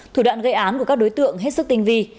thủ đoạn gây ám của các đối tượng hết sức tình vi